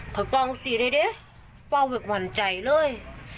คอยป้องสิได้ป้องแบบวันใจเลย